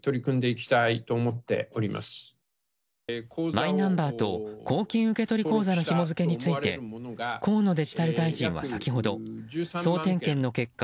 マイナンバーと公金受取口座のひも付けについて河野デジタル大臣は先ほど総点検の結果